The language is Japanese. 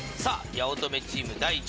八乙女チーム第１問。